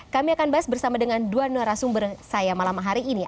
kami akan bahas bersama dengan dua narasumber saya malam hari ini